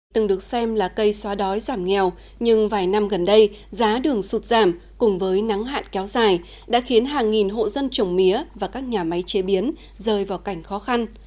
từng được xem là cây xóa đói giảm nghèo nhưng vài năm gần đây giá đường sụt giảm cùng với nắng hạn kéo dài đã khiến hàng nghìn hộ dân trồng mía và các nhà máy chế biến rơi vào cảnh khó khăn